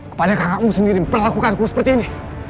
apakah kamu sendiri yang pernah lakukan seperti ini